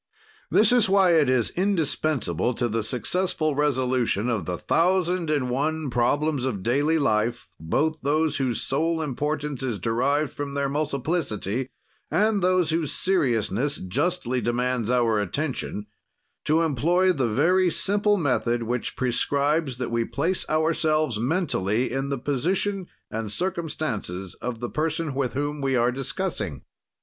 This is why it is indispensable to the successful resolution of the thousand and one problems of daily life, both those whose sole importance is derived from their multiplicity and those whose seriousness justly demands our attention, to employ the very simple method which prescribes that we place ourselves mentally in the position and circumstances of the person with whom we are discussing.